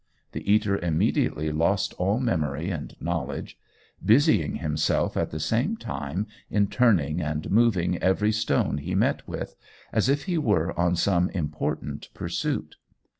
The eater immediately lost all memory and knowledge, busying himself at the same time in turning and moving every stone he met with, as if he were on some important pursuit.